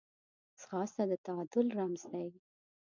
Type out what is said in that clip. ځغاسته د تعادل رمز دی